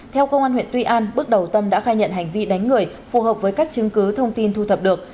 theo công an huyện tuy an bước đầu tâm đã khai nhận hành vi đánh người phù hợp với các chứng cứ thông tin thu thập được